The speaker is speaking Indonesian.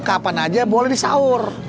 kapan aja boleh disahur